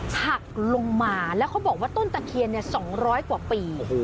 หักลงมาแล้วเขาบอกว่าต้นตะเคียน๒๐๐กว่าปี